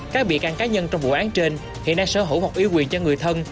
các bị can cá nhân trong bộ án trên hiện nay sở hữu một ưu quyền cho người thân